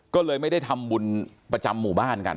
ก็เลยไม่ได้ทำบุญประจำหมู่บ้านกัน